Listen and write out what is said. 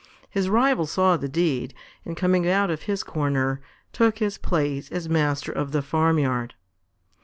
His rival saw the deed, and coming out of his corner, took his place as master of the farmyard.